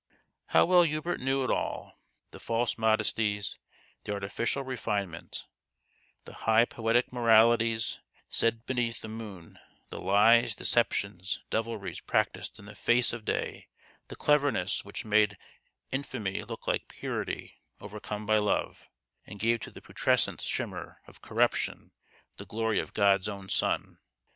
How well Hubert knew it all ! The false THE GHOST OF THE PAST. 181 modesties, the artificial refinement, the high poetic moralities said beneath the moon the lies, deceptions, devilries practised in the face of day ; the cleverness which made infamy look like purity overcome by love, and gave to the putrescent shimmer of corruption the glory of God's own sun